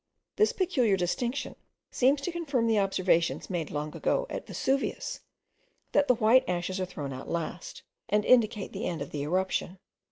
This peculiar distribution seems to confirm the observations made long ago at Vesuvius, that the white ashes are thrown out last, and indicate the end of the eruption.